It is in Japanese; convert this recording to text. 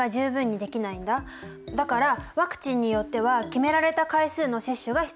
だからワクチンによっては決められた回数の接種が必要になる。